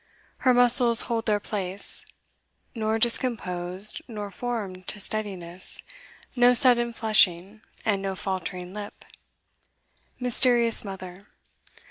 Her muscles hold their place; Nor discomposed, nor formed to steadiness, No sudden flushing, and no faltering lip. Mysterious Mother.